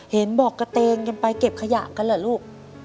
เห็นบอกกระเตงกันไปเก็บขยะกันเหรอลูก